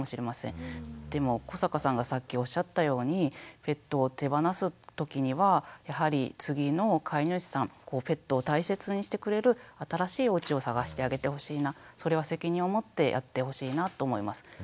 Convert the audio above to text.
でも古坂さんがさっきおっしゃったようにペットを手放す時にはやはり次の飼い主さんペットを大切にしてくれる新しいおうちを探してあげてほしいなそれは責任を持ってやってほしいなと思います。